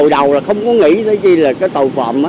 từ đầu là không có nghĩ tới gì là cái tàu phạm